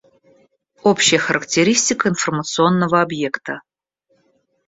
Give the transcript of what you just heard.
Общая характеристика информационного объекта.